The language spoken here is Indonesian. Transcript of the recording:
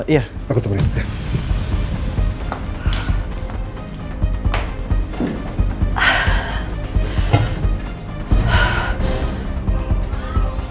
iya aku tunggu